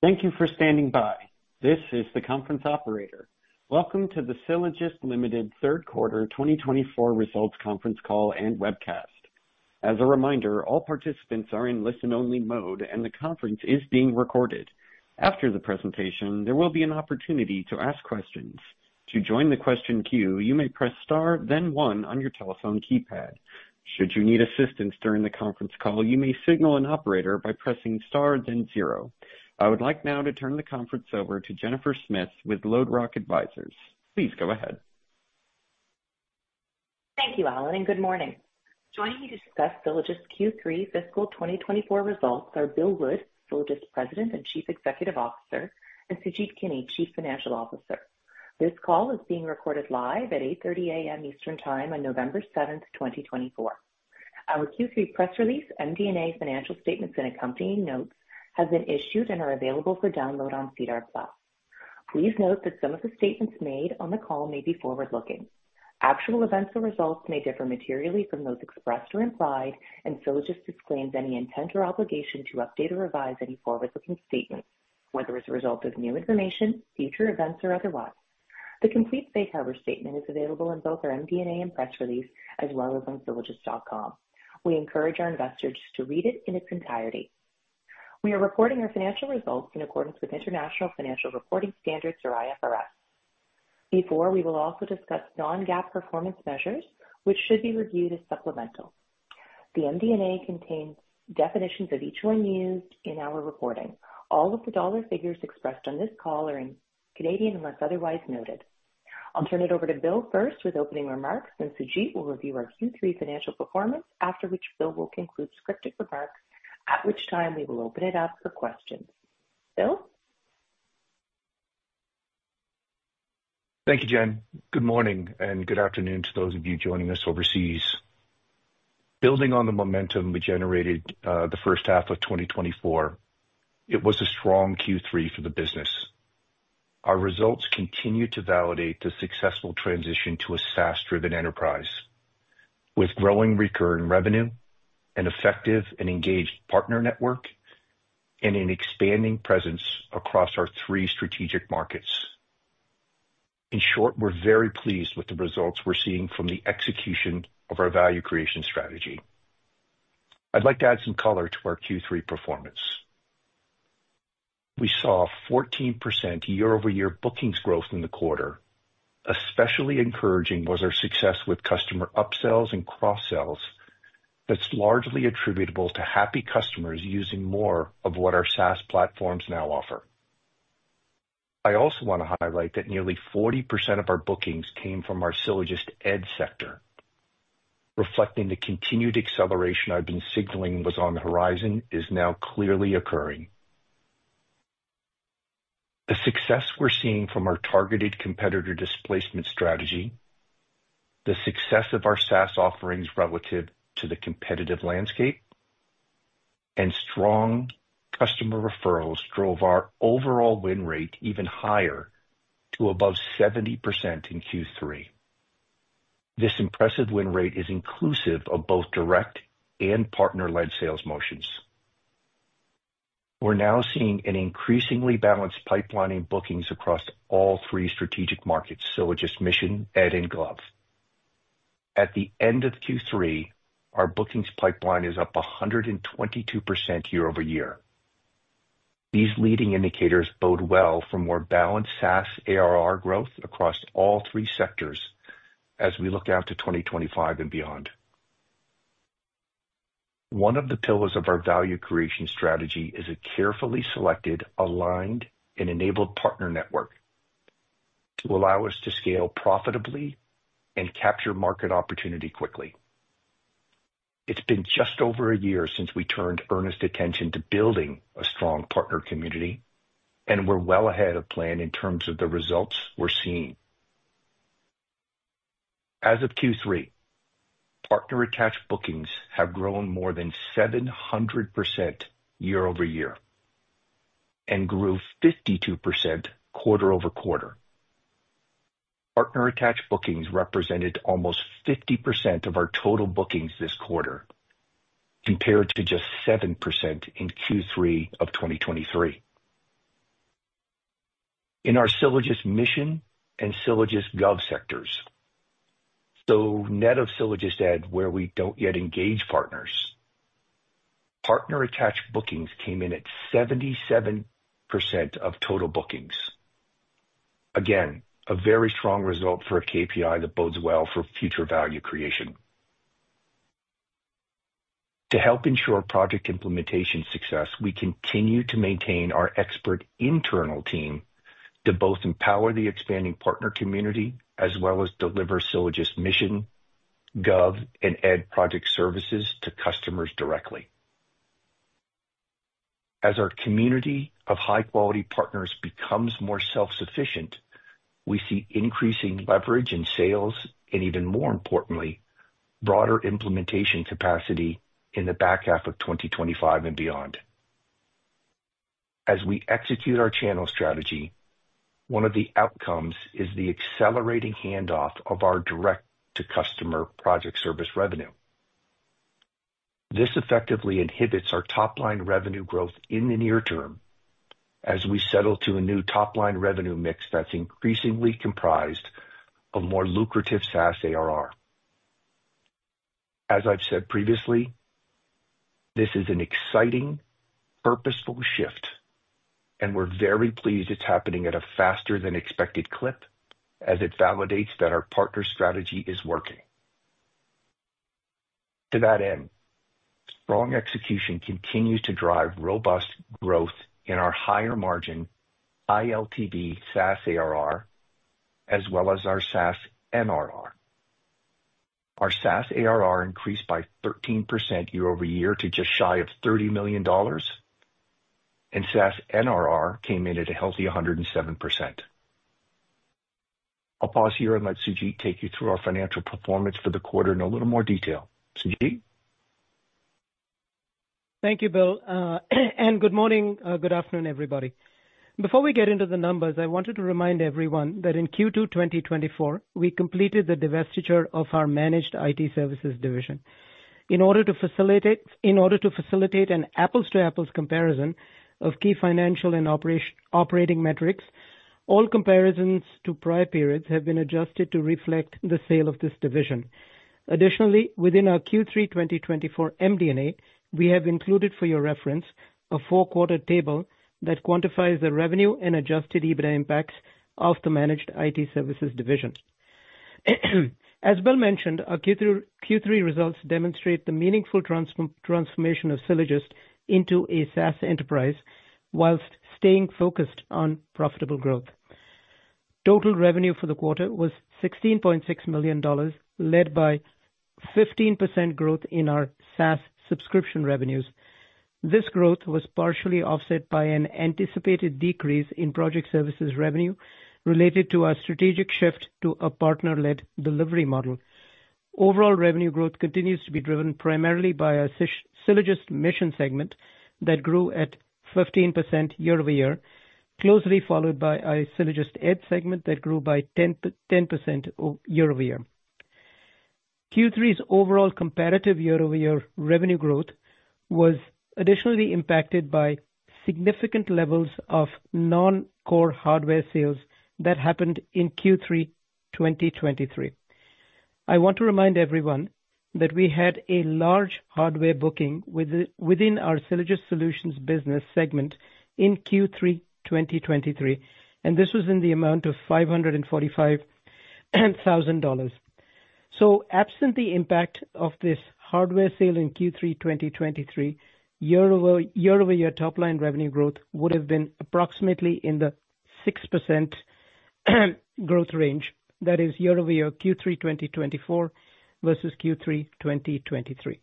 Thank you for standing by. This is the conference operator. Welcome to the Sylogist Limited third quarter 2024 results conference call and webcast. As a reminder, all participants are in listen-only mode, and the conference is being recorded. After the presentation, there will be an opportunity to ask questions. To join the question queue, you may press star, then one, on your telephone keypad. Should you need assistance during the conference call, you may signal an operator by pressing star, then zero. I would like now to turn the conference over to Jennifer Smith with LodeRock Advisors. Please go ahead. Thank you, Alan, and good morning. Joining me to discuss Sylogist Q3 fiscal 2024 results are Bill Wood, Sylogist President and Chief Executive Officer, and Sujeet Kini, Chief Financial Officer. This call is being recorded live at 8:30 A.M. Eastern Time on November 7th, 2024. Our Q3 press release and MD&A financial statements and accompanying notes have been issued and are available for download on SEDAR+. Please note that some of the statements made on the call may be forward-looking. Actual events or results may differ materially from those expressed or implied, and Sylogist disclaims any intent or obligation to update or revise any forward-looking statement, whether as a result of new information, future events, or otherwise. The complete Safe Harbor statement is available in both our MD&A and press release, as well as on sylogist.com. We encourage our investors to read it in its entirety. We are reporting our financial results in accordance with International Financial Reporting Standards, or IFRS. Before, we will also discuss non-GAAP performance measures, which should be reviewed as supplemental. The MD&A contains definitions of each one used in our reporting. All of the dollar figures expressed on this call are in Canadian unless otherwise noted. I'll turn it over to Bill first with opening remarks, and Sujeet will review our Q3 financial performance, after which Bill will conclude scripted remarks, at which time we will open it up for questions. Bill? Thank you, Jen. Good morning and good afternoon to those of you joining us overseas. Building on the momentum we generated the first half of 2024, it was a strong Q3 for the business. Our results continue to validate the successful transition to a SaaS-driven enterprise, with growing recurring revenue, an effective and engaged partner network, and an expanding presence across our three strategic markets. In short, we're very pleased with the results we're seeing from the execution of our value creation strategy. I'd like to add some color to our Q3 performance. We saw 14% year-over-year bookings growth in the quarter. Especially encouraging was our success with customer upsells and cross-sells, that's largely attributable to happy customers using more of what our SaaS platforms now offer. I also want to highlight that nearly 40% of our bookings came from our SylogistEd sector. Reflecting the continued acceleration I've been signaling was on the horizon is now clearly occurring. The success we're seeing from our targeted competitor displacement strategy, the success of our SaaS offerings relative to the competitive landscape, and strong customer referrals drove our overall win rate even higher to above 70% in Q3. This impressive win rate is inclusive of both direct and partner-led sales motions. We're now seeing an increasingly balanced pipeline in bookings across all three strategic markets: SylogistMission, SylogistEd, and SylogistGov. At the end of Q3, our bookings pipeline is up 122% year-over-year. These leading indicators bode well for more balanced SaaS ARR growth across all three sectors as we look out to 2025 and beyond. One of the pillars of our value creation strategy is a carefully selected, aligned, and enabled partner network to allow us to scale profitably and capture market opportunity quickly. It's been just over a year since we turned earnest attention to building a strong partner community, and we're well ahead of plan in terms of the results we're seeing. As of Q3, partner-attached bookings have grown more than 700% year-over-year and grew 52% quarter-over-quarter. Partner-attached bookings represented almost 50% of our total bookings this quarter, compared to just 7% in Q3 of 2023. In our SylogistMission and SylogistGov sectors, so net of SylogistEd where we don't yet engage partners, partner-attached bookings came in at 77% of total bookings. Again, a very strong result for a KPI that bodes well for future value creation. To help ensure project implementation success, we continue to maintain our expert internal team to both empower the expanding partner community as well as deliver SylogistMission, SylogistGov, and SylogistEd project services to customers directly. As our community of high-quality partners becomes more self-sufficient, we see increasing leverage in sales and, even more importantly, broader implementation capacity in the back half of 2025 and beyond. As we execute our channel strategy, one of the outcomes is the accelerating handoff of our direct-to-customer project service revenue. This effectively inhibits our top-line revenue growth in the near term as we settle to a new top-line revenue mix that's increasingly comprised of more lucrative SaaS ARR. As I've said previously, this is an exciting, purposeful shift, and we're very pleased it's happening at a faster-than-expected clip as it validates that our partner strategy is working. To that end, strong execution continues to drive robust growth in our higher-margin ILTB SaaS ARR, as well as our SaaS NRR. Our SaaS ARR increased by 13% year-over-year to just shy of 30 million dollars, and SaaS NRR came in at a healthy 107%. I'll pause here and let Sujeet take you through our financial performance for the quarter in a little more detail. Sujeet? Thank you, Bill. Good morning, good afternoon, everybody. Before we get into the numbers, I wanted to remind everyone that in Q2 2024, we completed the divestiture of our Managed IT Services division. In order to facilitate an apples-to-apples comparison of key financial and operating metrics, all comparisons to prior periods have been adjusted to reflect the sale of this division. Additionally, within our Q3 2024 MD&A, we have included, for your reference, a four-quarter table that quantifies the revenue and Adjusted EBITDA impacts of the Managed IT Services division. As Bill mentioned, our Q3 results demonstrate the meaningful transformation of Sylogist into a SaaS enterprise while staying focused on profitable growth. Total revenue for the quarter was 16.6 million dollars, led by 15% growth in our SaaS subscription revenues. This growth was partially offset by an anticipated decrease in project services revenue related to our strategic shift to a partner-led delivery model. Overall revenue growth continues to be driven primarily by our SylogistMission segment that grew at 15% year-over-year, closely followed by our SylogistEd segment that grew by 10% year-over-year. Q3's overall comparative year-over-year revenue growth was additionally impacted by significant levels of non-core hardware sales that happened in Q3 2023. I want to remind everyone that we had a large hardware booking within our Sylogist Solutions business segment in Q3 2023, and this was in the amount of 545,000 dollars. So absent the impact of this hardware sale in Q3 2023, year-over-year top-line revenue growth would have been approximately in the 6% growth range. That is, year-over-year Q3 2024 versus Q3 2023.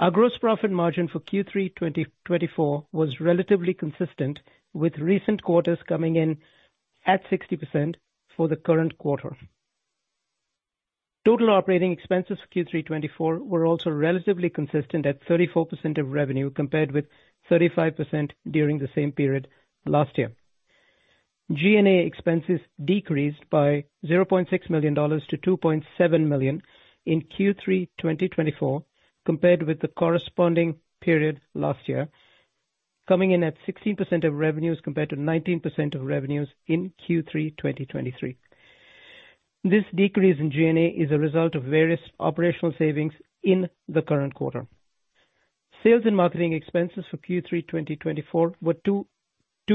Our gross profit margin for Q3 2024 was relatively consistent, with recent quarters coming in at 60% for the current quarter. Total operating expenses for Q3 2024 were also relatively consistent at 34% of revenue, compared with 35% during the same period last year. G&A expenses decreased by 0.6 million dollars to 2.7 million in Q3 2024, compared with the corresponding period last year, coming in at 16% of revenues compared to 19% of revenues in Q3 2023. This decrease in G&A is a result of various operational savings in the current quarter. Sales and marketing expenses for Q3 2024 were 2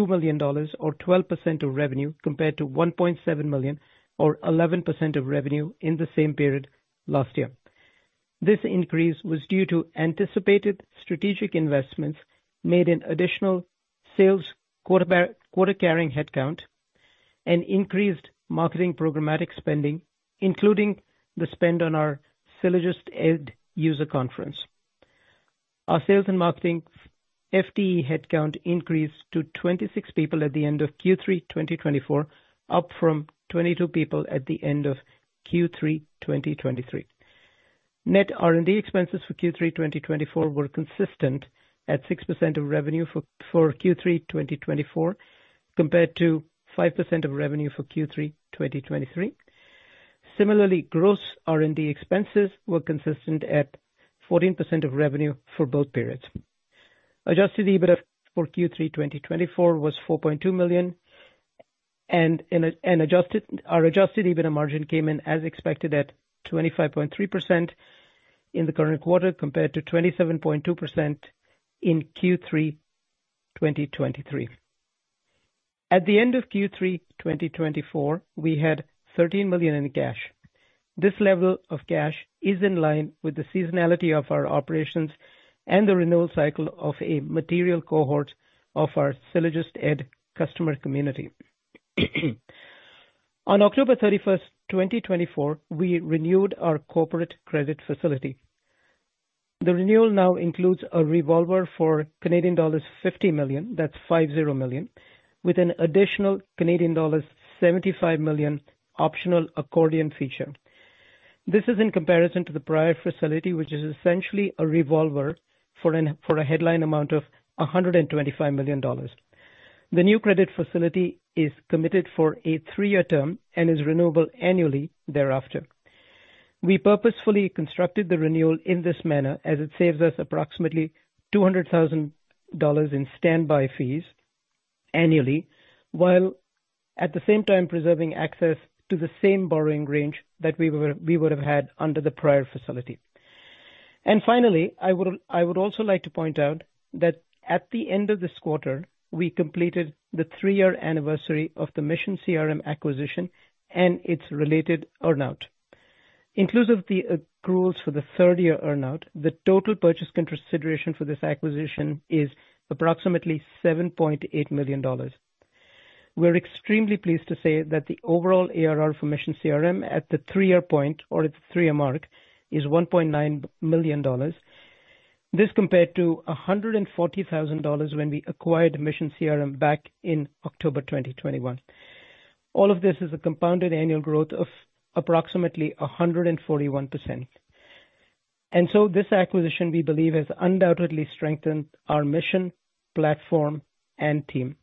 million dollars, or 12% of revenue, compared to 1.7 million, or 11% of revenue in the same period last year. This increase was due to anticipated strategic investments made in additional sales quota-carrying headcount and increased marketing programmatic spending, including the spend on our SylogistEd user conference. Our sales and marketing FTE headcount increased to 26 people at the end of Q3 2024, up from 22 people at the end of Q3 2023. Net R&D expenses for Q3 2024 were consistent at 6% of revenue for Q3 2024, compared to 5% of revenue for Q3 2023. Similarly, gross R&D expenses were consistent at 14% of revenue for both periods. Adjusted EBITDA for Q3 2024 was 4.2 million, and our adjusted EBITDA margin came in as expected at 25.3% in the current quarter, compared to 27.2% in Q3 2023. At the end of Q3 2024, we had 13 million in cash. This level of cash is in line with the seasonality of our operations and the renewal cycle of a material cohort of our SylogistEd customer community. On October 31, 2024, we renewed our corporate credit facility. The renewal now includes a revolver for Canadian dollars 50 million, that's 50 million, with an additional Canadian dollars 75 million optional accordion feature. This is in comparison to the prior facility, which is essentially a revolver for a headline amount of 125 million dollars. The new credit facility is committed for a three-year term and is renewable annually thereafter. We purposefully constructed the renewal in this manner, as it saves us approximately 200,000 dollars in standby fees annually, while at the same time preserving access to the same borrowing range that we would have had under the prior facility. And finally, I would also like to point out that at the end of this quarter, we completed the three-year anniversary of the Mission CRM acquisition and its related earnout. Inclusive of the accruals for the third-year earnout, the total purchase consideration for this acquisition is approximately 7.8 million dollars. We're extremely pleased to say that the overall ARR for Mission CRM at the three-year point, or at the three-year mark, is 1.9 million dollars. This compared to 140,000 dollars when we acquired Mission CRM back in October 2021. All of this is a compounded annual growth of approximately 141%. And so this acquisition, we believe, has undoubtedly strengthened our Mission platform, and team.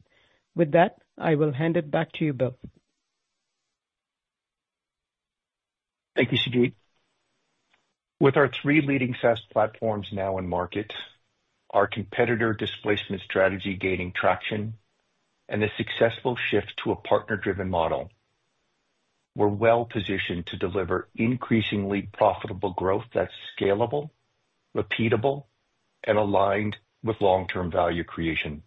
With that, I will hand it back to you, Bill. Thank you, Sujeet. With our three leading SaaS platforms now in market, our competitor displacement strategy gaining traction, and the successful shift to a partner-driven model, we're well positioned to deliver increasingly profitable growth that's scalable, repeatable, and aligned with long-term value creation.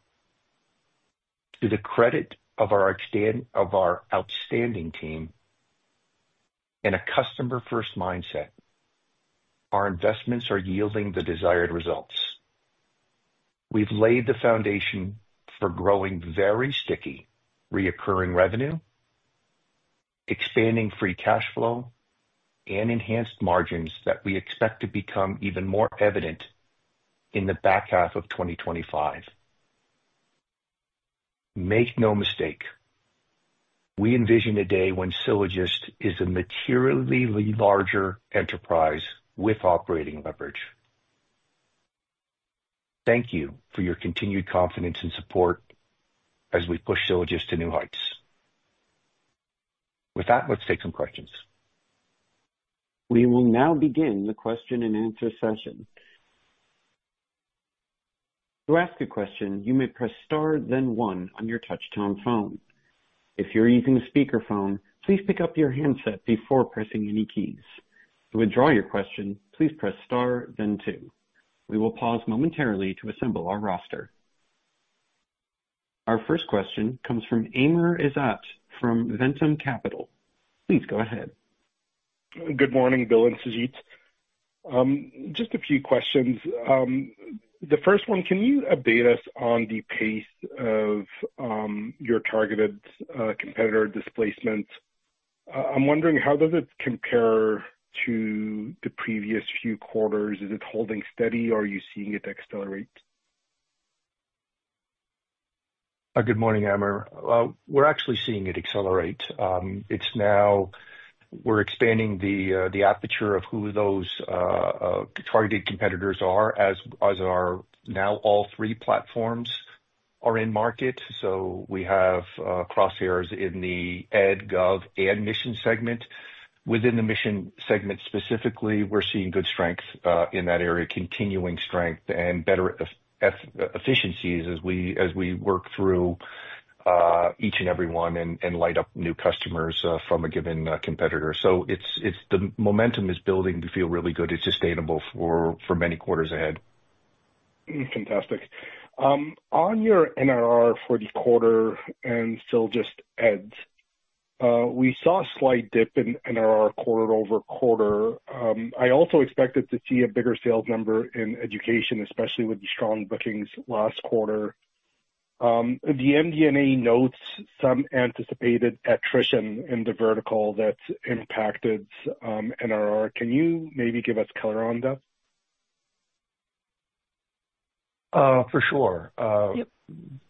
To the credit of our outstanding team and a customer-first mindset, our investments are yielding the desired results. We've laid the foundation for growing very sticky recurring revenue, expanding free cash flow, and enhanced margins that we expect to become even more evident in the back half of 2025. Make no mistake, we envision a day when Sylogist is a materially larger enterprise with operating leverage. Thank you for your continued confidence and support as we push Sylogist to new heights. With that, let's take some questions. We will now begin the question-and-answer session. To ask a question, you may press Star, then one on your touch-tone phone. If you're using a speakerphone, please pick up your handset before pressing any keys. To withdraw your question, please press Star, then two. We will pause momentarily to assemble our roster. Our first question comes from Amr Ezzat from Ventum Capital Markets. Please go ahead. Good morning, Bill and Sujeet. Just a few questions. The first one, can you update us on the pace of your targeted competitor displacement? I'm wondering how does it compare to the previous few quarters? Is it holding steady, or are you seeing it accelerate? Good morning, Amr. We're actually seeing it accelerate. We're expanding the aperture of who those targeted competitors are as our now all three platforms are in market. So we have crosshairs in the Ed, Gov, and Mission segment. Within the mission segment specifically, we're seeing good strength in that area, continuing strength and better efficiencies as we work through each and every one and light up new customers from a given competitor. So the momentum is building. We feel really good. It's sustainable for many quarters ahead. Fantastic. On your NRR for the quarter, and still just Ed's, we saw a slight dip in NRR quarter-over-quarter. I also expected to see a bigger sales number in education, especially with the strong bookings last quarter. The MD&A notes some anticipated attrition in the vertical that's impacted NRR. Can you maybe give us color on that? For sure.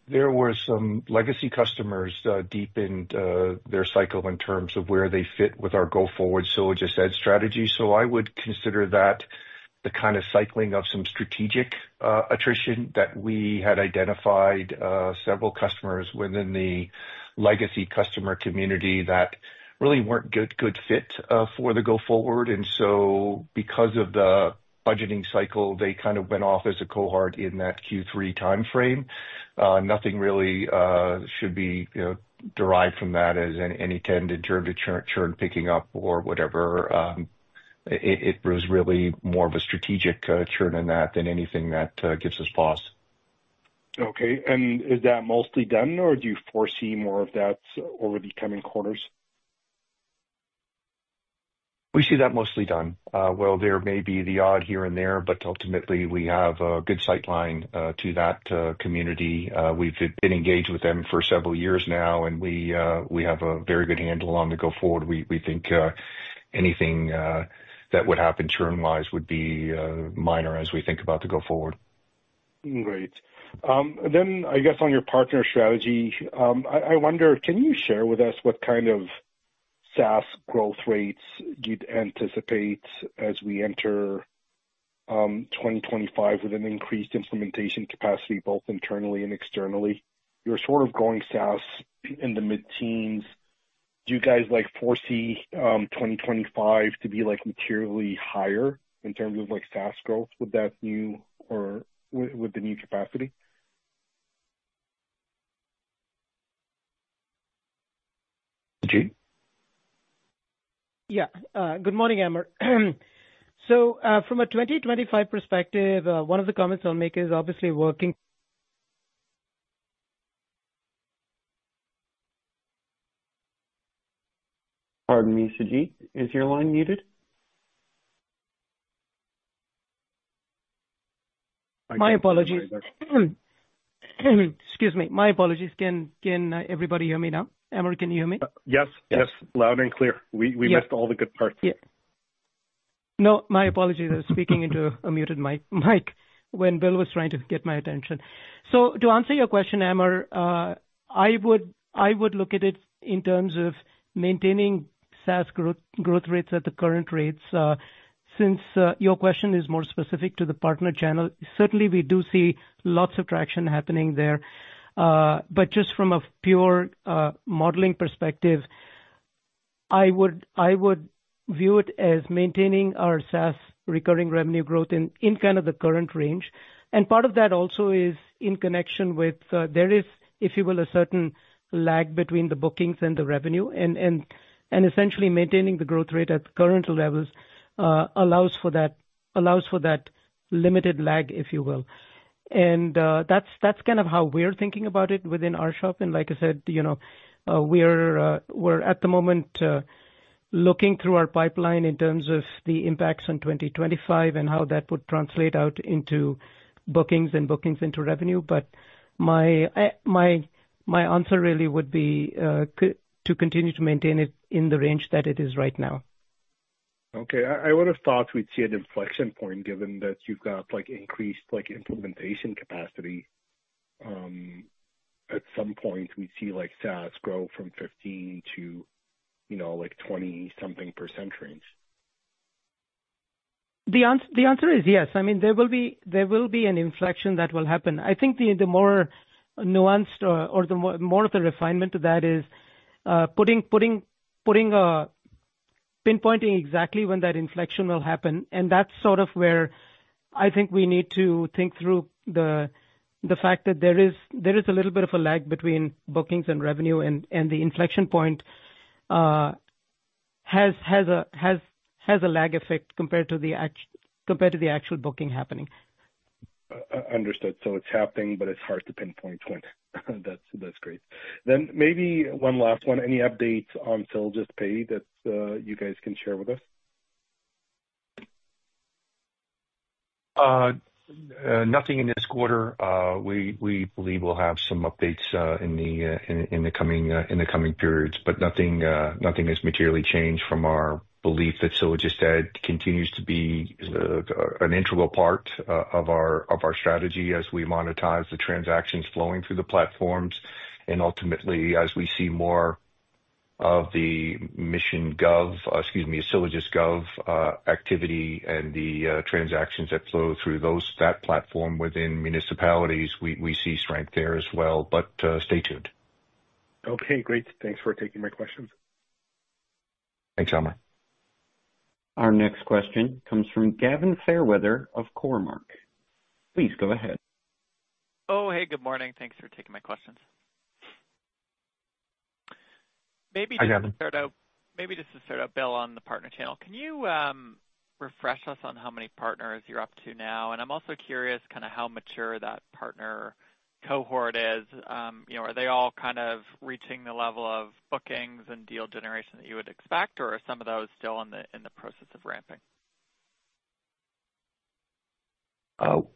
There were some legacy customers that deepened their cycle in terms of where they fit with our go-forward SylogistEd strategy. So I would consider that the kind of cycling of some strategic attrition that we had identified several customers within the legacy customer community that really weren't a good fit for the go-forward. And so because of the budgeting cycle, they kind of went off as a cohort in that Q3 timeframe. Nothing really should be derived from that as any kind of churn picking up or whatever. It was really more of a strategic churn in that than anything that gives us pause. Okay. Is that mostly done, or do you foresee more of that over the coming quarters? We see that mostly done. Well, there may be the odd here and there, but ultimately, we have a good sightline to that community. We've been engaged with them for several years now, and we have a very good handle on the go-forward. We think anything that would happen churn-wise would be minor as we think about the go-forward. Great. Then, I guess on your partner strategy, I wonder, can you share with us what kind of SaaS growth rates you'd anticipate as we enter 2025 with an increased implementation capacity, both internally and externally? You're sort of going SaaS in the mid-teens. Do you guys foresee 2025 to be materially higher in terms of SaaS growth with the new capacity? Sujeet? Yeah. Good morning, Amr. So from a 2025 perspective, one of the comments I'll make is obviously working. Pardon me, Sujeet? Is your line muted? My apologies. Excuse me. My apologies. Can everybody hear me now? Amr, can you hear me? Yes. Yes. Loud and clear. We missed all the good parts. Yeah. No, my apologies. I was speaking into a muted mic when Bill was trying to get my attention. So to answer your question, Amr, I would look at it in terms of maintaining SaaS growth rates at the current rates. Since your question is more specific to the partner channel, certainly we do see lots of traction happening there. But just from a pure modeling perspective, I would view it as maintaining our SaaS recurring revenue growth in kind of the current range. And part of that also is in connection with there is, if you will, a certain lag between the bookings and the revenue. And essentially, maintaining the growth rate at current levels allows for that limited lag, if you will. And that's kind of how we're thinking about it within our shop. And like I said, we're at the moment looking through our pipeline in terms of the impacts on 2025 and how that would translate out into bookings and bookings into revenue. But my answer really would be to continue to maintain it in the range that it is right now. Okay. I would have thought we'd see an inflection point given that you've got increased implementation capacity. At some point, we'd see SaaS grow from 15%-20-something% range. The answer is yes. I mean, there will be an inflection that will happen. I think the more nuanced or the more of the refinement to that is pinpointing exactly when that inflection will happen, and that's sort of where I think we need to think through the fact that there is a little bit of a lag between bookings and revenue, and the inflection point has a lag effect compared to the actual booking happening. Understood. So it's happening, but it's hard to pinpoint when. That's great. Then maybe one last one. Any updates on SylogistPay that you guys can share with us? Nothing in this quarter. We believe we'll have some updates in the coming periods, but nothing has materially changed from our belief that SylogistEd continues to be an integral part of our strategy as we monetize the transactions flowing through the platforms. And ultimately, as we see more of the mission gov, excuse me, SylogistGov activity and the transactions that flow through that platform within municipalities, we see strength there as well. But stay tuned. Okay. Great. Thanks for taking my questions. Thanks, Amr. Our next question comes from Gavin Fairweather of Cormark. Please go ahead. Oh, hey. Good morning. Thanks for taking my questions. Maybe just to start out, Bill, on the partner channel, can you refresh us on how many partners you're up to now? And I'm also curious kind of how mature that partner cohort is. Are they all kind of reaching the level of bookings and deal generation that you would expect, or are some of those still in the process of ramping?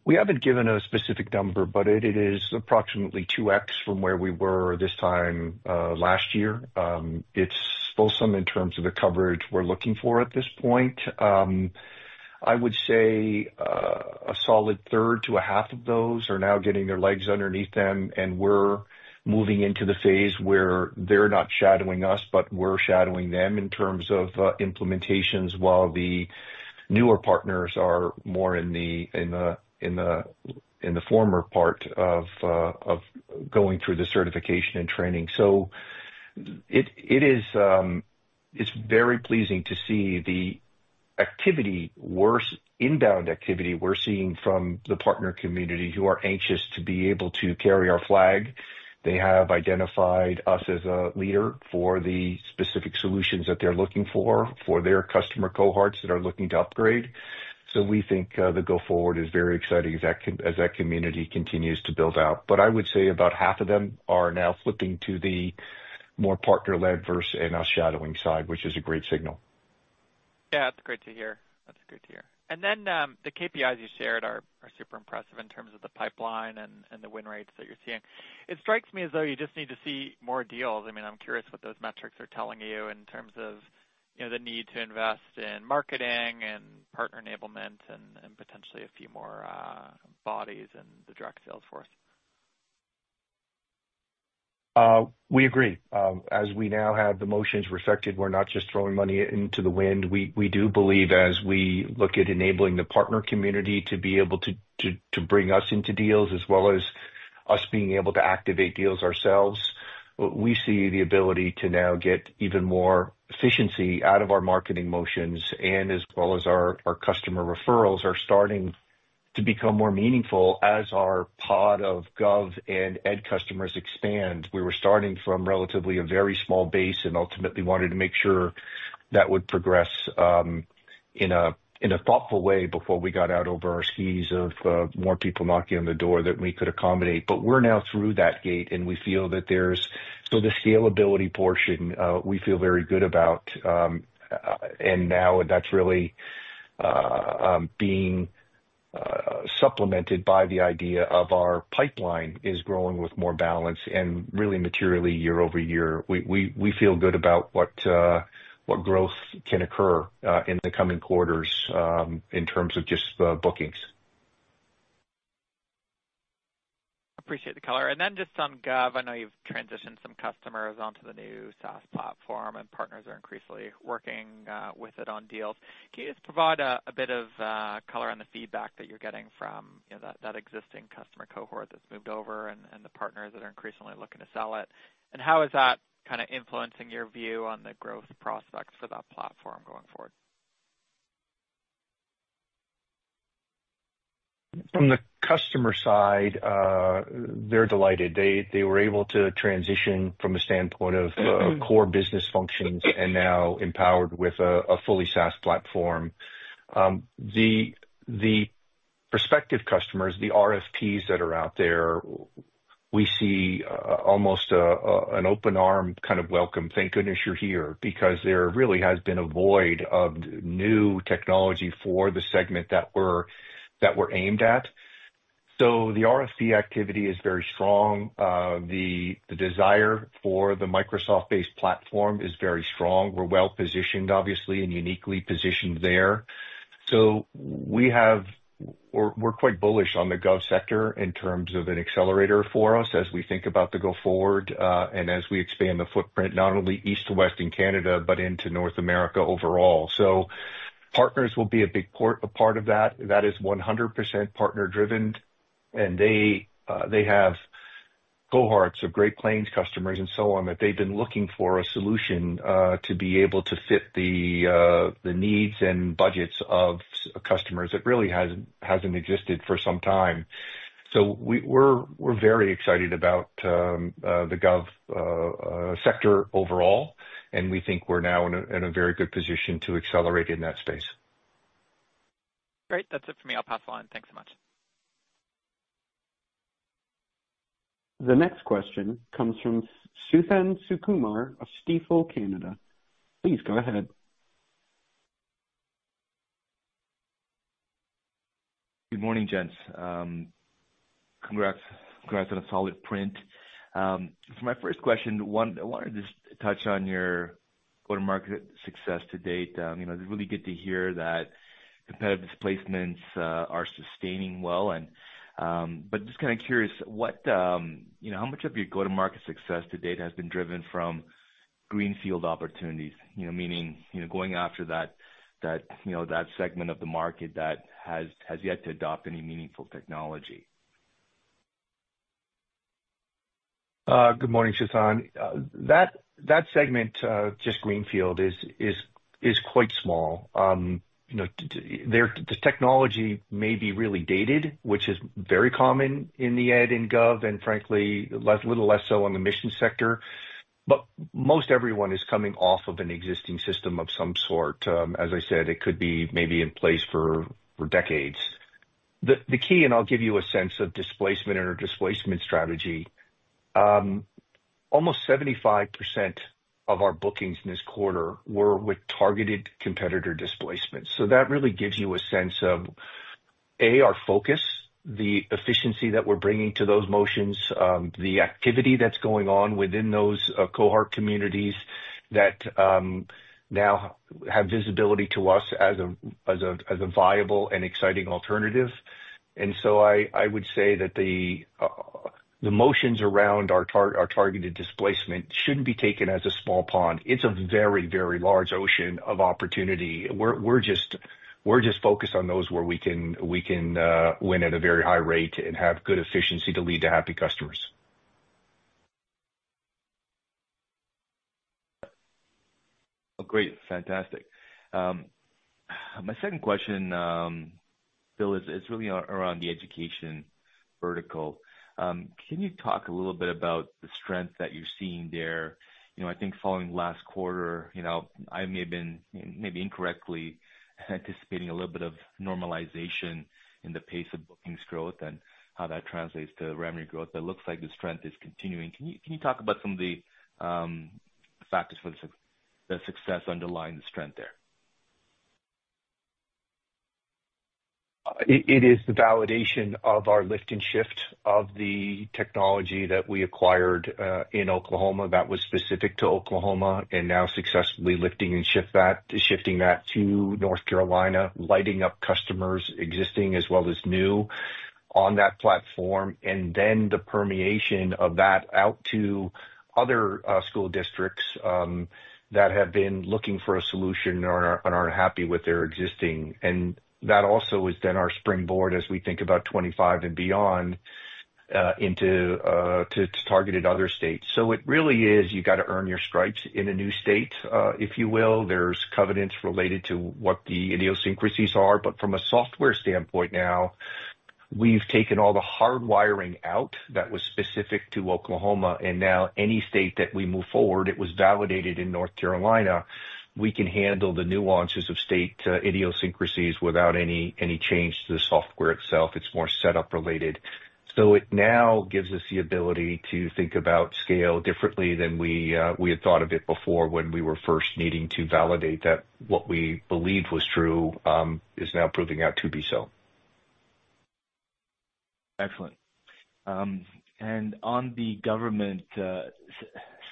We haven't given a specific number, but it is approximately 2x from where we were this time last year. It's fulsome in terms of the coverage we're looking for at this point. I would say a solid third to a half of those are now getting their legs underneath them, and we're moving into the phase where they're not shadowing us, but we're shadowing them in terms of implementations while the newer partners are more in the former part of going through the certification and training. So it's very pleasing to see the inbound activity we're seeing from the partner community who are anxious to be able to carry our flag. They have identified us as a leader for the specific solutions that they're looking for for their customer cohorts that are looking to upgrade. So we think the go-forward is very exciting as that community continues to build out. But I would say about half of them are now flipping to the more partner-led versus in-house shadowing side, which is a great signal. Yeah. That's great to hear. That's great to hear. And then the KPIs you shared are super impressive in terms of the pipeline and the win rates that you're seeing. It strikes me as though you just need to see more deals. I mean, I'm curious what those metrics are telling you in terms of the need to invest in marketing and partner enablement and potentially a few more bodies in the direct sales force. We agree. As we now have the motions reflected, we're not just throwing money into the wind. We do believe as we look at enabling the partner community to be able to bring us into deals as well as us being able to activate deals ourselves, we see the ability to now get even more efficiency out of our marketing motions, and as well as our customer referrals are starting to become more meaningful as our pod of gov and ed customers expand. We were starting from relatively a very small base and ultimately wanted to make sure that would progress in a thoughtful way before we got out over our skis of more people knocking on the door that we could accommodate, but we're now through that gate, and we feel that there's so the scalability portion we feel very good about. And now that's really being supplemented by the idea of our pipeline is growing with more balance and really materially year-over-year. We feel good about what growth can occur in the coming quarters in terms of just the bookings. Appreciate the color. And then just on Gov, I know you've transitioned some customers onto the new SaaS platform, and partners are increasingly working with it on deals. Can you just provide a bit of color on the feedback that you're getting from that existing customer cohort that's moved over and the partners that are increasingly looking to sell it? And how is that kind of influencing your view on the growth prospects for that platform going forward? From the customer side, they're delighted. They were able to transition from a standpoint of core business functions and now empowered with a fully SaaS platform. The prospective customers, the RFPs that are out there, we see almost an open arm kind of welcome. Thank goodness you're here because there really has been a void of new technology for the segment that we're aimed at. So the RFP activity is very strong. The desire for the Microsoft-based platform is very strong. We're well-positioned, obviously, and uniquely positioned there. So we're quite bullish on the gov sector in terms of an accelerator for us as we think about the go-forward and as we expand the footprint not only east to west in Canada, but into North America overall. So partners will be a big part of that. That is 100% partner-driven. They have cohorts of Great Plains customers and so on that they've been looking for a solution to be able to fit the needs and budgets of customers that really hasn't existed for some time. We're very excited about the gov sector overall, and we think we're now in a very good position to accelerate in that space. Great. That's it for me. I'll pass along. Thanks so much. The next question comes from Suthan Sukumar of Stifel Canada. Please go ahead. Good morning, gents. Congrats on a solid print. For my first question, I wanted to just touch on your go-to-market success to date. It's really good to hear that competitive placements are sustaining well. But just kind of curious, how much of your go-to-market success to date has been driven from greenfield opportunities, meaning going after that segment of the market that has yet to adopt any meaningful technology? Good morning, Suthan. That segment, just greenfield, is quite small. The technology may be really dated, which is very common in the ed and gov, and frankly, a little less so on the mission sector. But most everyone is coming off of an existing system of some sort. As I said, it could be maybe in place for decades. The key, and I'll give you a sense of displacement and our displacement strategy, almost 75% of our bookings in this quarter were with targeted competitor displacements. So that really gives you a sense of, A, our focus, the efficiency that we're bringing to those motions, the activity that's going on within those cohort communities that now have visibility to us as a viable and exciting alternative. And so I would say that the motions around our targeted displacement shouldn't be taken as a small pond. It's a very, very large ocean of opportunity. We're just focused on those where we can win at a very high rate and have good efficiency to lead to happy customers. Great. Fantastic. My second question, Bill, is really around the education vertical. Can you talk a little bit about the strength that you're seeing there? I think following last quarter, I may have been maybe incorrectly anticipating a little bit of normalization in the pace of bookings growth and how that translates to revenue growth. But it looks like the strength is continuing. Can you talk about some of the factors for the success underlying the strength there? It is the validation of our lift and shift of the technology that we acquired in Oklahoma that was specific to Oklahoma and now successfully lifting and shifting that to North Carolina, lighting up customers, existing as well as new, on that platform, and then the permeation of that out to other school districts that have been looking for a solution and are unhappy with their existing. And that also has been our springboard as we think about 2025 and beyond into targeted other states. So it really is you got to earn your stripes in a new state, if you will. There's covenants related to what the idiosyncrasies are. But from a software standpoint now, we've taken all the hardwiring out that was specific to Oklahoma. And now, any state that we move forward, it was validated in North Carolina, we can handle the nuances of state idiosyncrasies without any change to the software itself. It's more setup-related, so it now gives us the ability to think about scale differently than we had thought of it before when we were first needing to validate that what we believed was true is now proving out to be so. Excellent. And on the government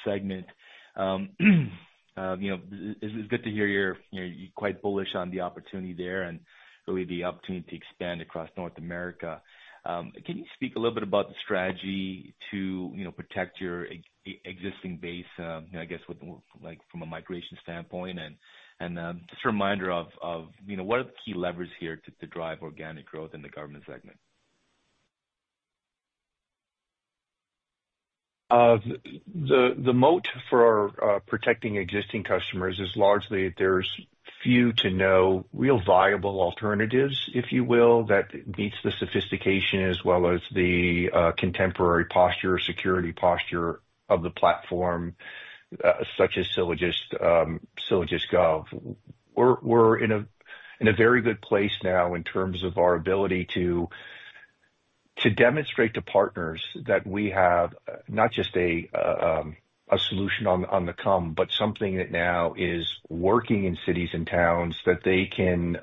segment, it's good to hear you're quite bullish on the opportunity there and really the opportunity to expand across North America. Can you speak a little bit about the strategy to protect your existing base, I guess, from a migration standpoint? And just a reminder of what are the key levers here to drive organic growth in the government segment? The moat for protecting existing customers is largely there's few to no real viable alternatives, if you will, that meets the sophistication as well as the contemporary posture, security posture of the platform, such as SylogistGov. We're in a very good place now in terms of our ability to demonstrate to partners that we have not just a solution on the come, but something that now is working in cities and towns that they can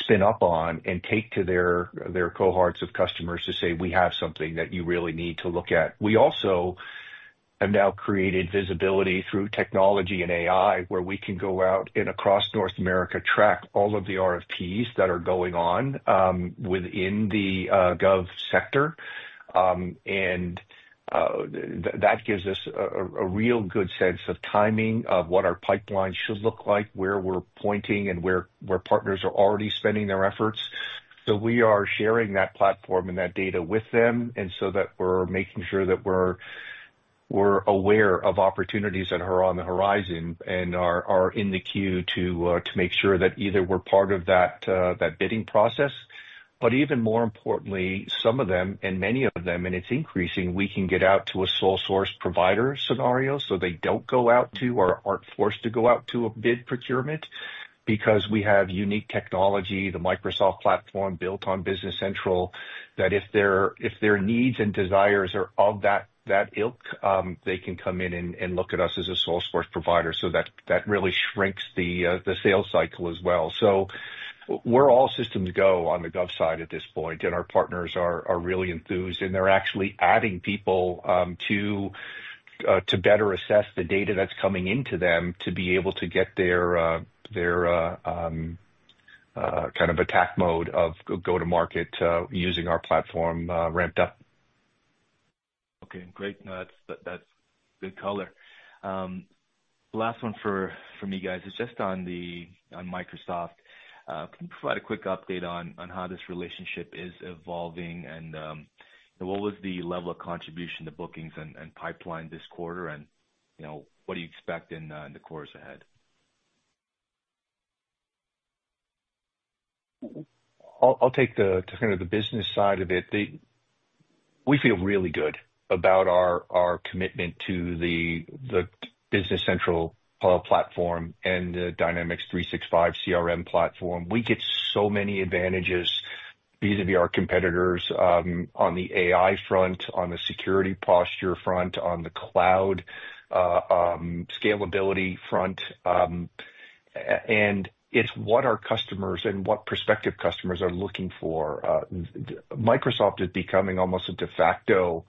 spin up on and take to their cohorts of customers to say, "We have something that you really need to look at." We also have now created visibility through technology and AI where we can go out and across North America track all of the RFPs that are going on within the gov sector. And that gives us a real good sense of timing of what our pipeline should look like, where we're pointing, and where partners are already spending their efforts. So we are sharing that platform and that data with them so that we're making sure that we're aware of opportunities that are on the horizon and are in the queue to make sure that either we're part of that bidding process. But even more importantly, some of them and many of them, and it's increasing, we can get out to a sole source provider scenario so they don't go out to or aren't forced to go out to a bid procurement because we have unique technology, the Microsoft platform built on Business Central, that if their needs and desires are of that ilk, they can come in and look at us as a sole source provider. So that really shrinks the sales cycle as well. So we're all systems go on the gov side at this point, and our partners are really enthused. And they're actually adding people to better assess the data that's coming into them to be able to get their kind of attack mode of go-to-market using our platform ramped up. Okay. Great. That's good color. Last one for me, guys, is just on Microsoft. Can you provide a quick update on how this relationship is evolving and what was the level of contribution to bookings and pipeline this quarter? And what do you expect in the course ahead? I'll take kind of the business side of it. We feel really good about our commitment to the Business Central platform and the Dynamics 365 CRM platform. We get so many advantages vis-à-vis our competitors on the AI front, on the security posture front, on the cloud scalability front. And it's what our customers and what prospective customers are looking for. Microsoft is becoming almost a de facto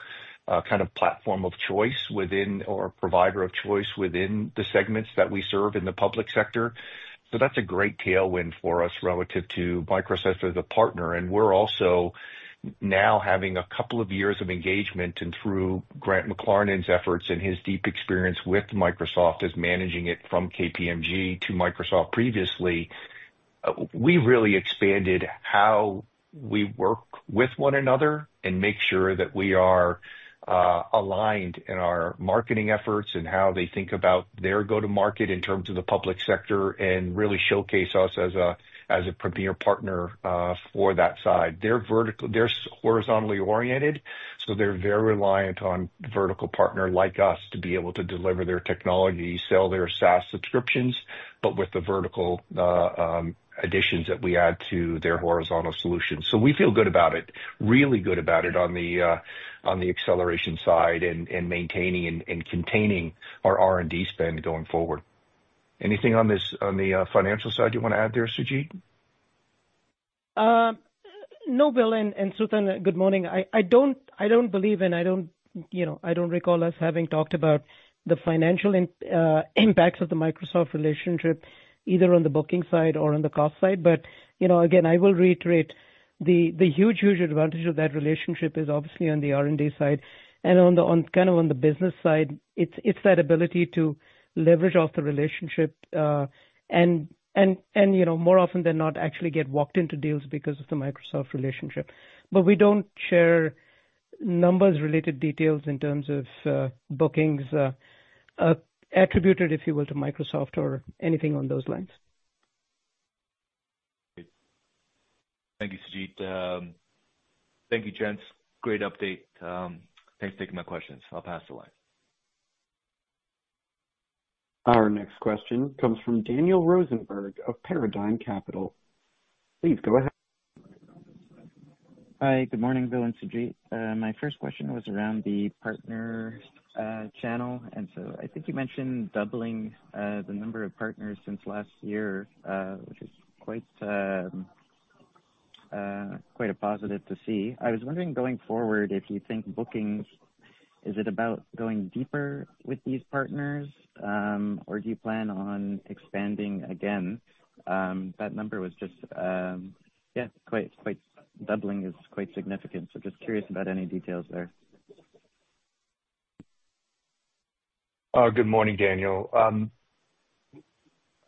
kind of platform of choice or provider of choice within the segments that we serve in the public sector. So that's a great tailwind for us relative to Microsoft as a partner. We're also now having a couple of years of engagement and through Grant McLaren's efforts and his deep experience with Microsoft as managing it from KPMG to Microsoft previously. We really expanded how we work with one another and make sure that we are aligned in our marketing efforts and how they think about their go-to-market in terms of the public sector and really showcase us as a premier partner for that side. They're horizontally oriented, so they're very reliant on vertical partners like us to be able to deliver their technology, sell their SaaS subscriptions, but with the vertical additions that we add to their horizontal solutions. So we feel good about it, really good about it on the acceleration side and maintaining and containing our R&D spend going forward. Anything on the financial side you want to add there, Sujeet? No, Bill. And Suthan, good morning. I don't believe in, I don't recall us having talked about the financial impacts of the Microsoft relationship either on the booking side or on the cost side. But again, I will reiterate the huge, huge advantage of that relationship is obviously on the R&D side. And kind of on the business side, it's that ability to leverage off the relationship and more often than not actually get walked into deals because of the Microsoft relationship. But we don't share numbers-related details in terms of bookings attributed, if you will, to Microsoft or anything on those lines. Thank you, Sujeet. Thank you, gents. Great update. Thanks for taking my questions. I'll pass the line. Our next question comes from Daniel Rosenberg of Paradigm Capital. Please go ahead. Hi. Good morning, Bill and Sujeet. My first question was around the partner channel. And so I think you mentioned doubling the number of partners since last year, which is quite a positive to see. I was wondering, going forward, if you think bookings is it about going deeper with these partners, or do you plan on expanding again? That number was just, yeah, doubling is quite significant. So just curious about any details there. Good morning, Daniel.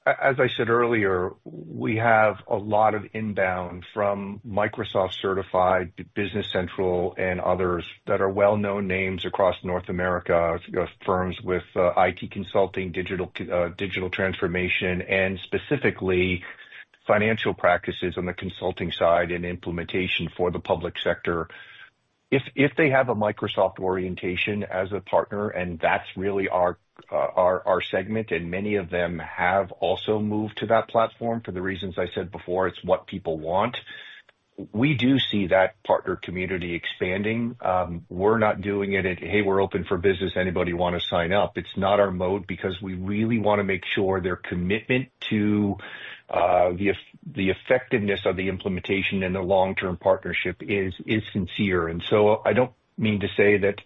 As I said earlier, we have a lot of inbound from Microsoft-certified Business Central and others that are well-known names across North America, firms with IT consulting, digital transformation, and specifically financial practices on the consulting side and implementation for the public sector. If they have a Microsoft orientation as a partner, and that's really our segment, and many of them have also moved to that platform for the reasons I said before, it's what people want. We do see that partner community expanding. We're not doing it at, "Hey, we're open for business. Anybody want to sign up?" It's not our mode because we really want to make sure their commitment to the effectiveness of the implementation and the long-term partnership is sincere. And so I don't mean to say that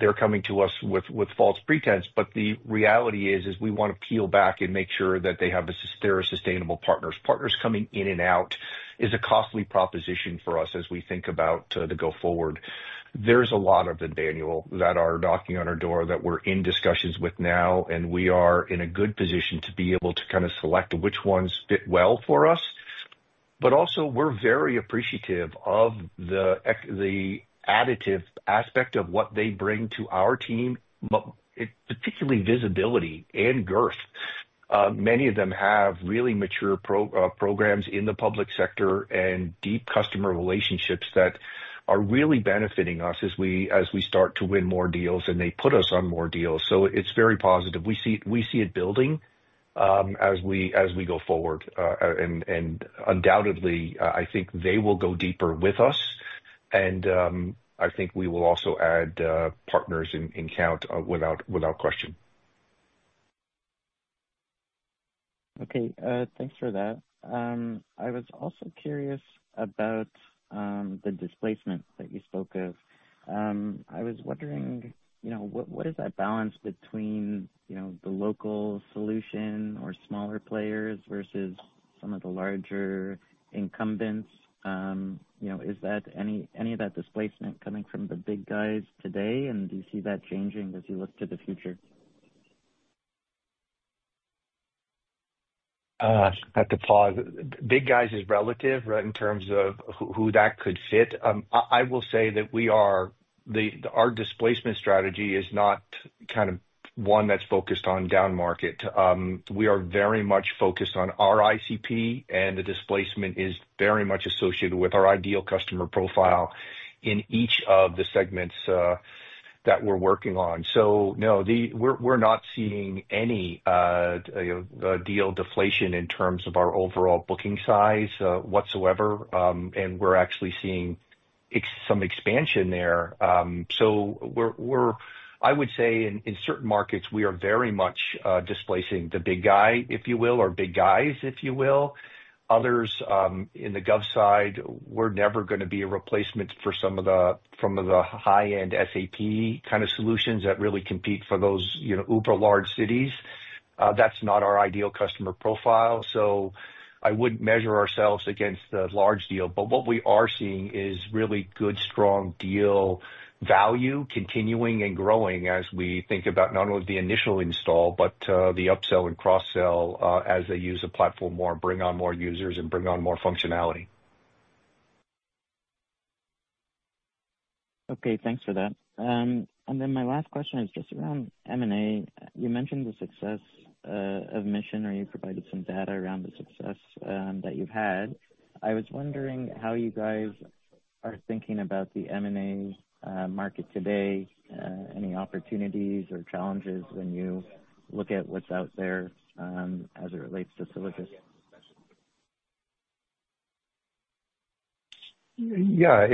they're coming to us with false pretense, but the reality is we want to peel back and make sure that they have their sustainable partners. Partners coming in and out is a costly proposition for us as we think about the go-forward. There's a lot of them, Daniel, that are knocking on our door that we're in discussions with now, and we are in a good position to be able to kind of select which ones fit well for us. But also, we're very appreciative of the additive aspect of what they bring to our team, particularly visibility and girth. Many of them have really mature programs in the public sector and deep customer relationships that are really benefiting us as we start to win more deals and they put us on more deals. So it's very positive. We see it building as we go forward. And undoubtedly, I think they will go deeper with us. And I think we will also add partners in count without question. Okay. Thanks for that. I was also curious about the displacement that you spoke of. I was wondering, what is that balance between the local solution or smaller players versus some of the larger incumbents? Is that any of that displacement coming from the big guys today? And do you see that changing as you look to the future? I have to pause. Big guys is relative in terms of who that could fit. I will say that our displacement strategy is not kind of one that's focused on down market. We are very much focused on our ICP, and the displacement is very much associated with our ideal customer profile in each of the segments that we're working on, so no, we're not seeing any deal deflation in terms of our overall booking size whatsoever, and we're actually seeing some expansion there, so I would say in certain markets, we are very much displacing the big guy, if you will, or big guys, if you will. Others in the gov side, we're never going to be a replacement for some of the high-end SAP kind of solutions that really compete for those uber large cities. That's not our ideal customer profile. I wouldn't measure ourselves against the large deal. What we are seeing is really good, strong deal value continuing and growing as we think about not only the initial install, but the upsell and cross-sell as they use a platform more, bring on more users, and bring on more functionality. Okay. Thanks for that and then my last question is just around M&A. You mentioned the success of Mission, or you provided some data around the success that you've had. I was wondering how you guys are thinking about the M&A market today, any opportunities or challenges when you look at what's out there as it relates to Sylogist? Yeah.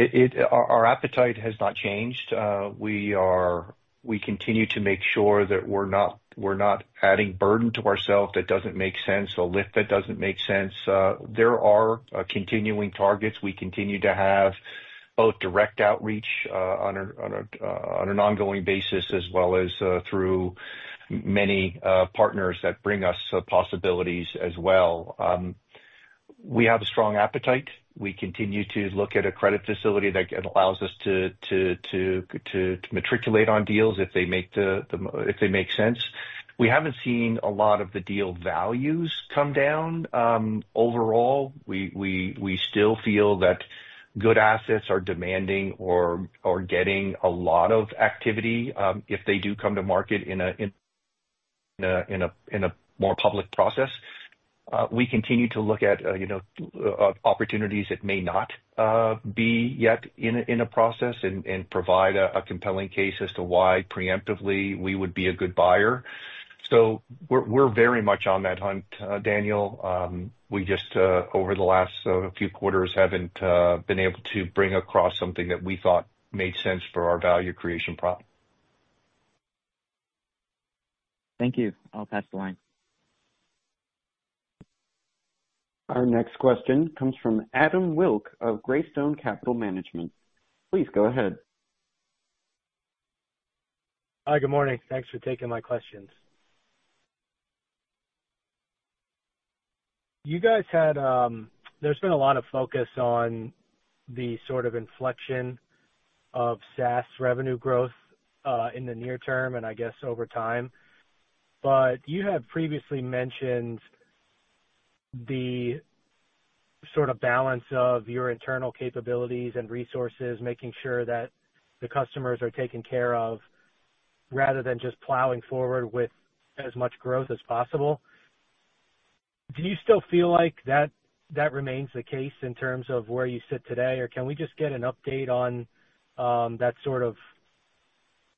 Our appetite has not changed. We continue to make sure that we're not adding burden to ourselves that doesn't make sense, a lift that doesn't make sense. There are continuing targets. We continue to have both direct outreach on an ongoing basis as well as through many partners that bring us possibilities as well. We have a strong appetite. We continue to look at a credit facility that allows us to execute on deals if they make sense. We haven't seen a lot of the deal values come down. Overall, we still feel that good assets are demanding or getting a lot of activity if they do come to market in a more public process. We continue to look at opportunities that may not be yet in a process and provide a compelling case as to why preemptively we would be a good buyer. We're very much on that hunt, Daniel. We just, over the last few quarters, haven't been able to bring across something that we thought made sense for our value creation problem. Thank you. I'll pass the line. Our next question comes from Adam Wilk of Greystone Capital Management. Please go ahead. Hi. Good morning. Thanks for taking my questions. You guys had, there's been a lot of focus on the sort of inflection of SaaS revenue growth in the near term and I guess over time. But you had previously mentioned the sort of balance of your internal capabilities and resources, making sure that the customers are taken care of rather than just plowing forward with as much growth as possible. Do you still feel like that remains the case in terms of where you sit today? Or can we just get an update on that sort of,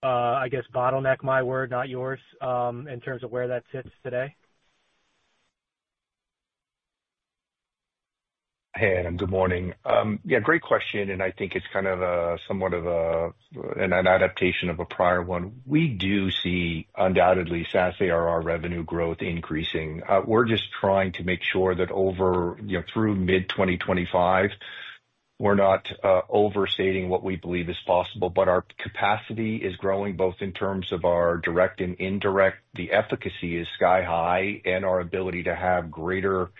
I guess, bottleneck, my word, not yours, in terms of where that sits today? Hey, Adam. Good morning. Yeah, great question. And I think it's kind of somewhat of an adaptation of a prior one. We do see, undoubtedly, SaaS ARR revenue growth increasing. We're just trying to make sure that through mid-2025, we're not overstating what we believe is possible, but our capacity is growing both in terms of our direct and indirect. The efficacy is sky-high and our ability to have greater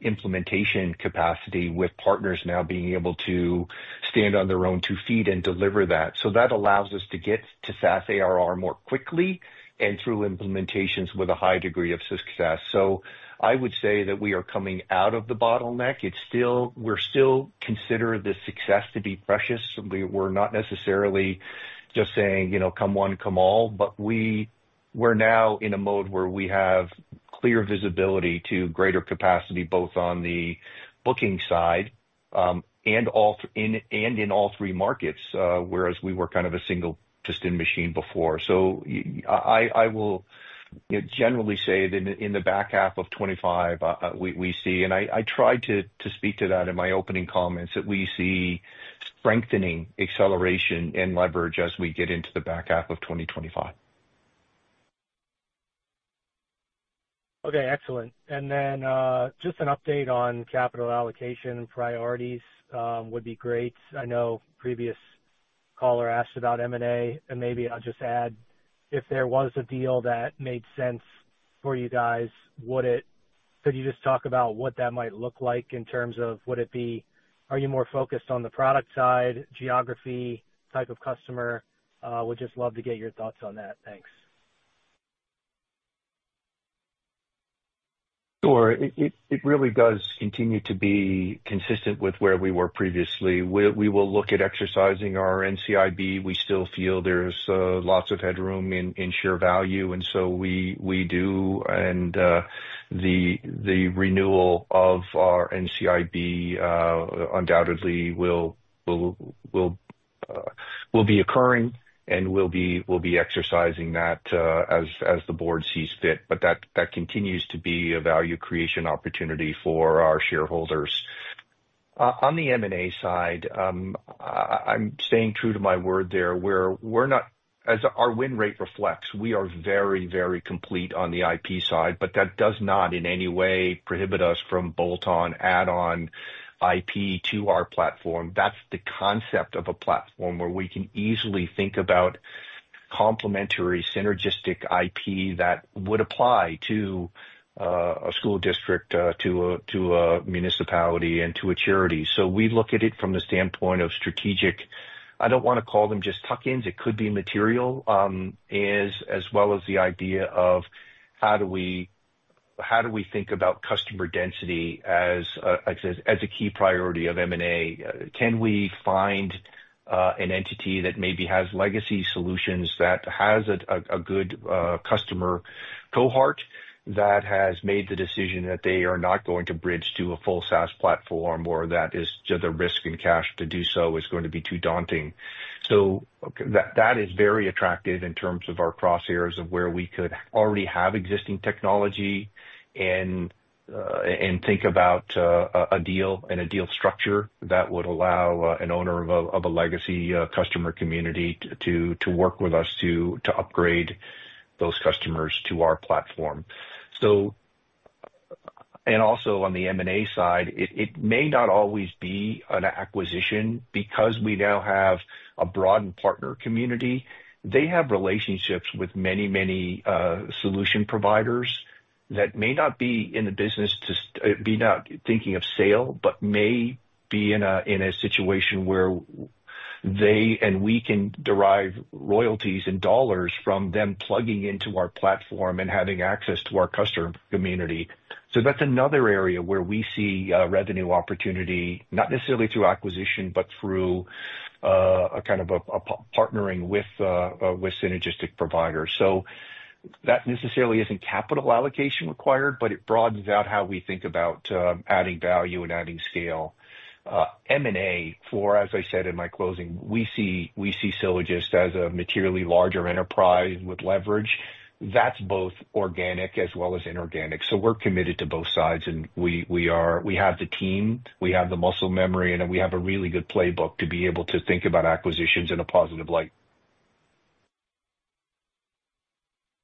implementation capacity with partners now being able to stand on their own two feet and deliver that. So that allows us to get to SaaS ARR more quickly and through implementations with a high degree of success. So I would say that we are coming out of the bottleneck. We're still considered the success to be precious. We're not necessarily just saying, "Come one, come all," but we're now in a mode where we have clear visibility to greater capacity both on the booking side and in all three markets, whereas we were kind of a single-piston machine before. So I will generally say that in the back half of 2025, we see, and I tried to speak to that in my opening comments, that we see strengthening, acceleration, and leverage as we get into the back half of 2025. Okay. Excellent. And then just an update on capital allocation and priorities would be great. I know a previous caller asked about M&A, and maybe I'll just add, if there was a deal that made sense for you guys, could you just talk about what that might look like in terms of would it be, are you more focused on the product side, geography, type of customer? Would just love to get your thoughts on that. Thanks. Sure. It really does continue to be consistent with where we were previously. We will look at exercising our NCIB. We still feel there's lots of headroom in share value, and so we do, and the renewal of our NCIB undoubtedly will be occurring, and we'll be exercising that as the board sees fit, but that continues to be a value creation opportunity for our shareholders. On the M&A side, I'm staying true to my word there. Our win rate reflects we are very, very competitive on the IP side, but that does not in any way prohibit us from bolt-on, add-on IP to our platform. That's the concept of a platform where we can easily think about complementary synergistic IP that would apply to a school district, to a municipality, and to a charity. So we look at it from the standpoint of strategic, I don't want to call them just tuck-ins, it could be material, as well as the idea of how do we think about customer density as a key priority of M&A. Can we find an entity that maybe has legacy solutions that has a good customer cohort that has made the decision that they are not going to bridge to a full SaaS platform, or that is the risk in cash to do so is going to be too daunting? So that is very attractive in terms of our crosshairs of where we could already have existing technology and think about a deal and a deal structure that would allow an owner of a legacy customer community to work with us to upgrade those customers to our platform. Also on the M&A side, it may not always be an acquisition because we now have a broadened partner community. They have relationships with many, many solution providers that may not be in the business to be thinking of sale, but may be in a situation where they and we can derive royalties and dollars from them plugging into our platform and having access to our customer community. That's another area where we see revenue opportunity, not necessarily through acquisition, but through kind of partnering with synergistic providers. That necessarily isn't capital allocation required, but it broadens out how we think about adding value and adding scale. M&A, for as I said in my closing, we see Sylogist as a materially larger enterprise with leverage. That's both organic as well as inorganic. We're committed to both sides, and we have the team, we have the muscle memory, and we have a really good playbook to be able to think about acquisitions in a positive light.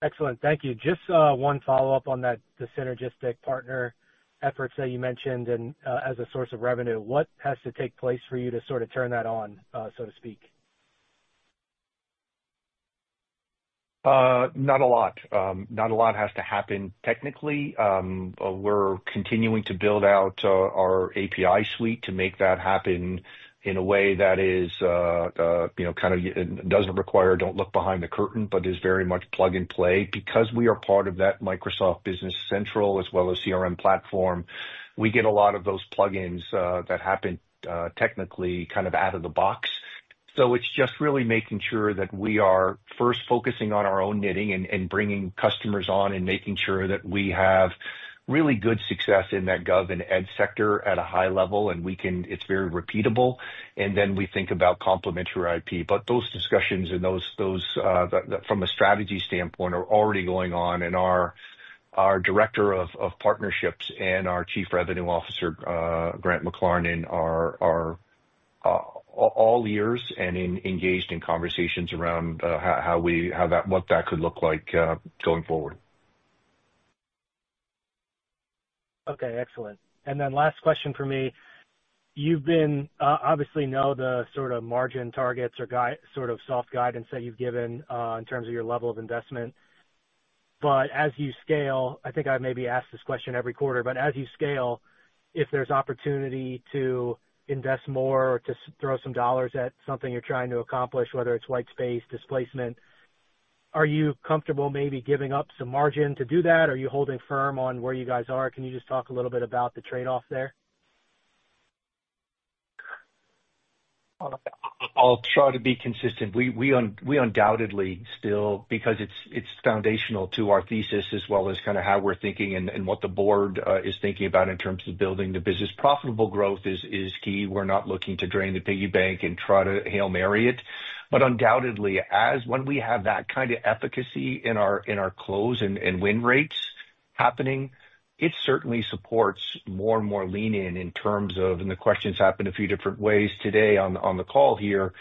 Excellent. Thank you. Just one follow-up on the synergistic partner efforts that you mentioned as a source of revenue. What has to take place for you to sort of turn that on, so to speak? Not a lot. Not a lot has to happen technically. We're continuing to build out our API suite to make that happen in a way that is kind of doesn't require, don't look behind the curtain, but is very much plug and play. Because we are part of that Microsoft Business Central as well as CRM platform, we get a lot of those plug-ins that happen technically kind of out of the box. So it's just really making sure that we are first focusing on our own knitting and bringing customers on and making sure that we have really good success in that gov and ed sector at a high level, and it's very repeatable. And then we think about complementary IP. But those discussions and those from a strategy standpoint are already going on, and our Director of Partnerships and our Chief Revenue Officer, Grant McLaren, are all ears and engaged in conversations around what that could look like going forward. Okay. Excellent. And then last question for me. You obviously know the sort of margin targets or sort of soft guidance that you've given in terms of your level of investment. But as you scale, I think I maybe ask this question every quarter, but as you scale, if there's opportunity to invest more or to throw some dollars at something you're trying to accomplish, whether it's whitespace, displacement, are you comfortable maybe giving up some margin to do that? Are you holding firm on where you guys are? Can you just talk a little bit about the trade-off there? I'll try to be consistent. We undoubtedly still, because it's foundational to our thesis as well as kind of how we're thinking and what the board is thinking about in terms of building the business, profitable growth is key. We're not looking to drain the piggy bank and try to Hail Mary. But undoubtedly, when we have that kind of efficacy in our close and win rates happening, it certainly supports more and more lean-in in terms of, and the questions happened a few different ways today on the call here.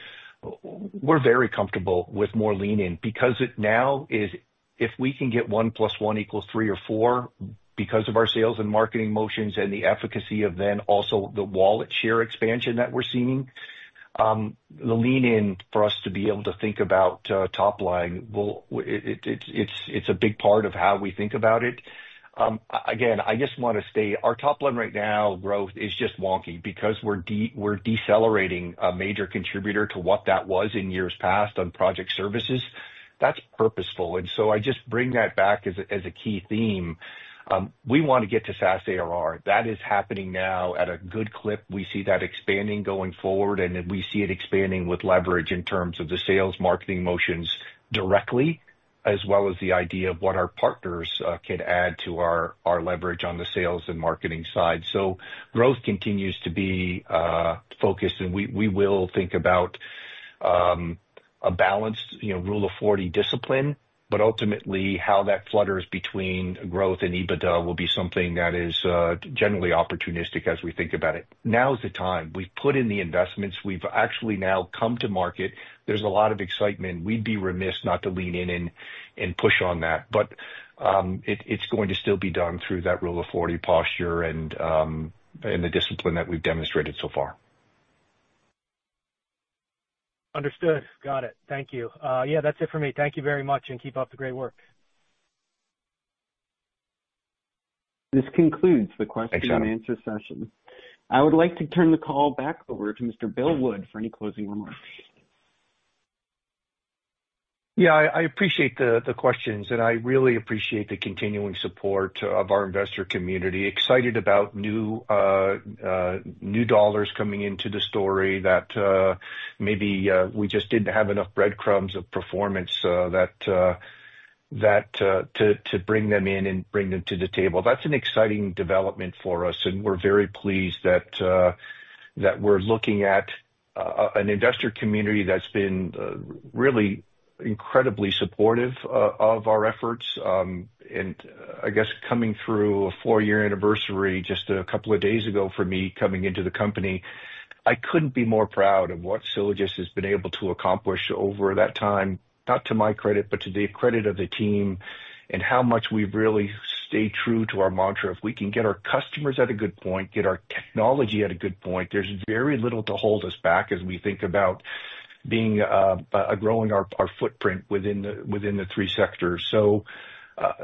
We're very comfortable with more lean-in because it now is, if we can get one plus one equals three or four because of our sales and marketing motions and the efficacy of then also the wallet share expansion that we're seeing. The lean-in for us to be able to think about top line. It's a big part of how we think about it. Again, I just want to say our top line right now growth is just wonky because we're decelerating a major contributor to what that was in years past on project services. That's purposeful. And so I just bring that back as a key theme. We want to get to SaaS ARR. That is happening now at a good clip. We see that expanding going forward, and we see it expanding with leverage in terms of the sales, marketing motions directly, as well as the idea of what our partners can add to our leverage on the sales and marketing side, so growth continues to be focused, and we will think about a balanced Rule of 40 discipline, but ultimately how that flutters between growth and EBITDA will be something that is generally opportunistic as we think about it. Now is the time. We've put in the investments. We've actually now come to market. There's a lot of excitement. We'd be remiss not to lean in and push on that, but it's going to still be done through that Rule of 40 posture and the discipline that we've demonstrated so far. Understood. Got it. Thank you. Yeah, that's it for me. Thank you very much, and keep up the great work. This concludes the question and answer session. I would like to turn the call back over to Mr. Bill Wood for any closing remarks. Yeah, I appreciate the questions, and I really appreciate the continuing support of our investor community. Excited about new dollars coming into the story that maybe we just didn't have enough breadcrumbs of performance to bring them in and bring them to the table. That's an exciting development for us, and we're very pleased that we're looking at an investor community that's been really incredibly supportive of our efforts. And I guess coming through a four-year anniversary just a couple of days ago for me coming into the company, I couldn't be more proud of what Sylogist has been able to accomplish over that time, not to my credit, but to the credit of the team and how much we've really stayed true to our mantra. If we can get our customers at a good point, get our technology at a good point, there's very little to hold us back as we think about growing our footprint within the three sectors. So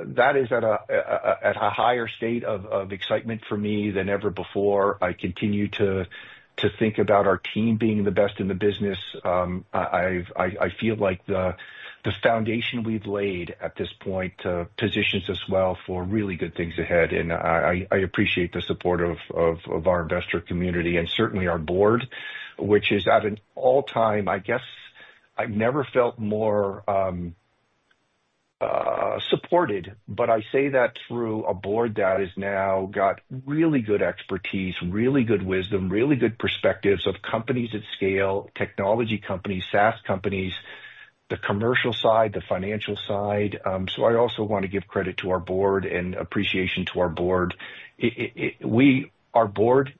that is at a higher state of excitement for me than ever before. I continue to think about our team being the best in the business. I feel like the foundation we've laid at this point positions us well for really good things ahead, and I appreciate the support of our investor community and certainly our board, which is at an all-time, I guess I've never felt more supported, but I say that through a board that has now got really good expertise, really good wisdom, really good perspectives of companies at scale, technology companies, SaaS companies, the commercial side, the financial side. So I also want to give credit to our board and appreciation to our board. Our board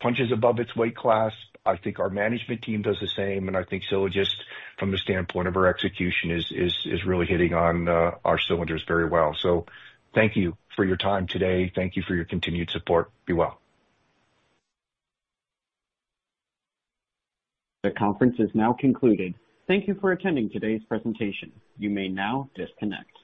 punches above its weight class. I think our management team does the same, and I think Sylogist, from the standpoint of our execution, is really hitting on our cylinders very well. So thank you for your time today. Thank you for your continued support. Be well. The conference is now concluded. Thank you for attending today's presentation. You may now disconnect.